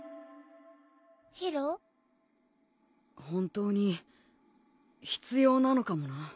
本当に必要なのかもな。